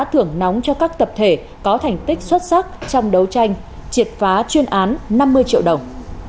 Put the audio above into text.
thưởng nóng cho các tập thể có thành tích xuất sắc trong đấu tranh triệt phá chuyên án năm mươi triệu đồng